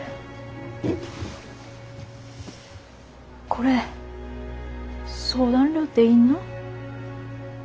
これ相談料って要んの？